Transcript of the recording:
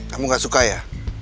kamu gak suka ya